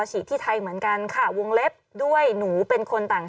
ฉีดที่ไทยเหมือนกันค่ะวงเล็บด้วยหนูเป็นคนต่าง